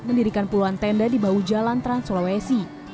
mendirikan puluhan tenda di bahu jalan trans sulawesi